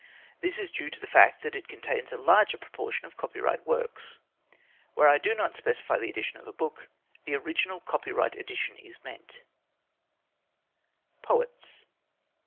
This is due to the fact that it contains a larger proportion of copyright works. Where I do not specify the edition of a book, the original copyright edition is meant: POETS. £ s.